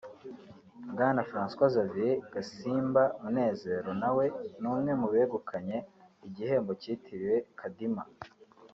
Bwana Francois Xavier Gasimba Munezero nawe ni umwe mu begukanye igihembo kitiriwe Kadima